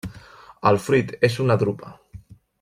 El fruit és una drupa.